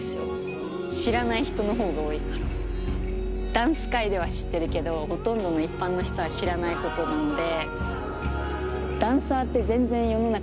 ダンス界では知ってるけどほとんどの一般の人は知らないことなので。